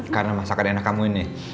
karena masakan anak kamu ini